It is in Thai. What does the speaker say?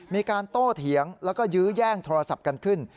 มีการโต้เถียงแล้วก็ยื้อแย่งโทรศัพท์กันขึ้น